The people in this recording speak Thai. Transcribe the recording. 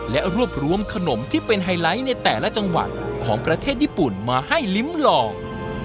และรวบรวมขนมที่เป็นไฮไลท์ในแต่ละจังหวัดของประเทศญี่ปุ่นมาให้ลิ้มลอง